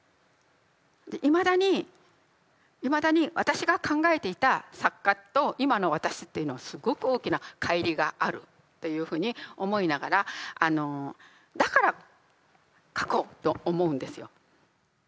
いまだにいまだに私が考えていた作家と今の私っていうのはすごく大きな乖離があるっていうふうに思いながらだから書こうと思うんですよ。